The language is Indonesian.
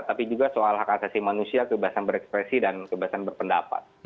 tapi juga soal hak asasi manusia kebebasan berekspresi dan kebebasan berpendapat